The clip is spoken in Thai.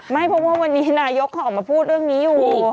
ไม่เพราะว่าวันนี้นายกเขาออกมาพูดเรื่องนี้อยู่